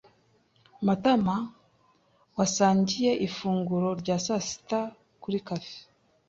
Matamawasangiye ifunguro rya saa sita kuri cafe.